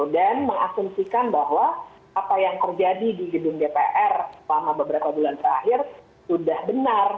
dan mengasumsikan bahwa apa yang terjadi di gedung dpr selama beberapa bulan terakhir sudah benar